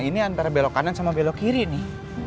ini antara belok kanan sama belok kiri nih